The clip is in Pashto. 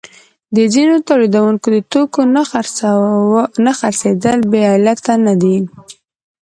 د ځینو تولیدونکو د توکو نه خرڅېدل بې علته نه دي